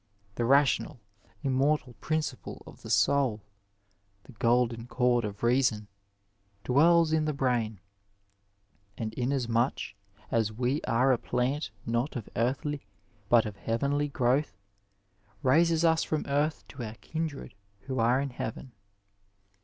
The rational, im mortal principle of the soul the golden cord of reason '^ dwells in the brain, ^^ and inasmuch as we are a plant not of earthly but of heavenly growth, raises us from earth to our kindred who are in heaven."